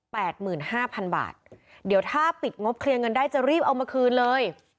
หมื่นห้าพันบาทเดี๋ยวถ้าปิดงบเคลียร์เงินได้จะรีบเอามาคืนเลย